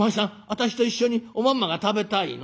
私と一緒におまんまが食べたいの？」。